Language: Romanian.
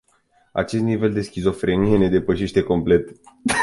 Acest nivel de schizofrenie ne depășește complet.